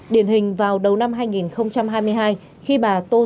điển hình vào đầu năm hai nghìn hai mươi hai khi bà tô